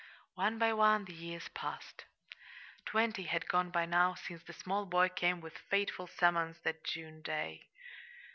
One by one the years passed. Twenty had gone by now since the small boy came with his fateful summons that June day.